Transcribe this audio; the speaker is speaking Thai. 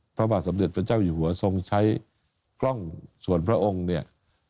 พระบาทสมเด็จพระเจ้าอยู่หัวทรงใช้กล้องส่วนพระองค์เนี่ย